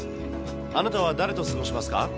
あなたは誰と過ごしますか？